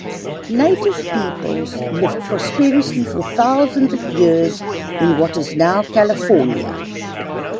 Native peoples lived prosperously for thousands of years in what is now California.